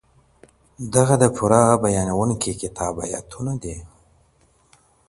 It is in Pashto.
دغه د پوره بيانوونکي کتاب اياتونه دي.